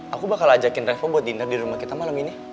aku bakal ajakin revo buat diner di rumah kita malam ini